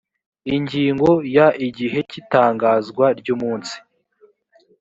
ingingo ya igihe cy itangazwa ry umunsi